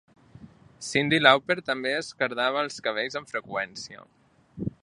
Cyndi Lauper també es "cardava" els cabells amb freqüència.